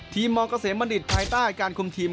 มเกษมบัณฑิตภายใต้การคุมทีม